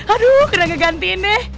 aduh kena ngegantiin deh